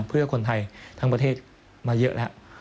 เพื่อคนไทยทั้งประเทศมาเยอะแล้ว